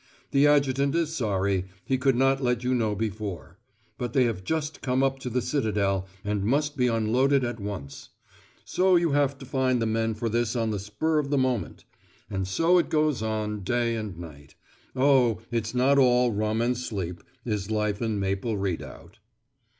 The Adjutant is sorry; he could not let you know before; but they have just come up to the Citadel, and must be unloaded at once. So you have to find the men for this on the spur of the moment. And so it goes on night and day. Oh, it's not all rum and sleep, is life in Maple Redoubt.